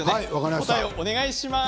答えをお願いします。